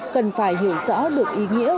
cần phải hiểu rõ được ý nghĩa